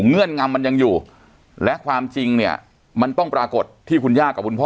เงื่อนงำมันยังอยู่และความจริงเนี่ยมันต้องปรากฏที่คุณย่ากับคุณพ่อ